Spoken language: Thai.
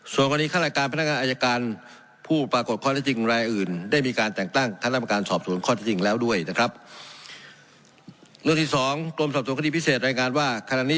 ส่วนตอนนี้คณะการพันธการอายการ